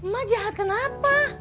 ma jahat kenapa